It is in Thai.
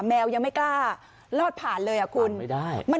แมวยังไม่กล้าลอดผ่านเลยอ่ะคุณไม่ได้